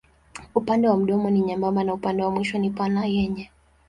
Upande wa mdomo ni nyembamba na upande wa mwisho ni pana yenye.